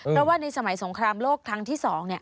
เพราะว่าในสมัยสงครามโลกครั้งที่๒